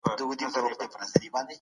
هغه ټولنیزې قوې په دوو برخو ویشلي دي.